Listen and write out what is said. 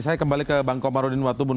saya kembali ke bang komarudin watubun